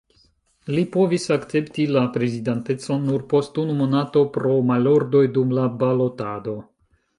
Li povis akcepti la prezidantecon nur post unu monato pro malordoj dum la balotado.